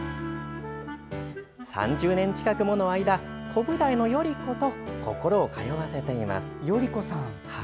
３０年近くもの間コブダイの頼子と心を通わせています。